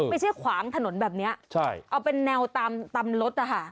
ไม่ใช่ขวางถนนแบบเนี้ยเอาเป็นแนวตามรถอะค่ะ